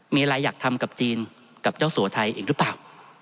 มีอะไรอยากทำกับจีนกับเจ้าสัวไทยอีกหรือเปล่า